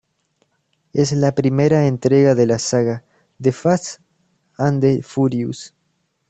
Es la primera entrega de la saga "The Fast and the Furious".